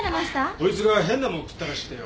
こいつが変な物食ったらしくてよ。